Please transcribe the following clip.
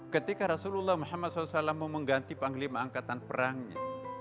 ketika rasulullah muhammad saw mau mengganti panglima angkatan perangnya